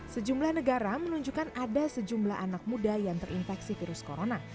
sejumlah negara menunjukkan ada sejumlah anak muda yang terinfeksi virus corona